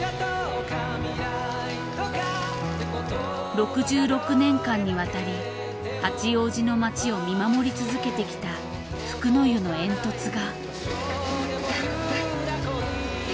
６６年間にわたり八王子の町を見守り続けてきた福の湯の煙突が。